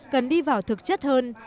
cần đi vào thực chất